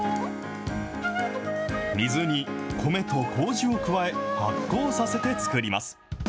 水に米とこうじを加え、発酵させて作ります。